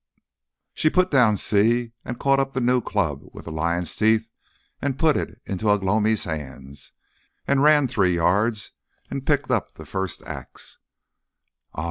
She put down Si and caught up the new club with the lion's teeth, and put it into Ugh lomi's hand, and ran three yards and picked up the first axe. "Ah!"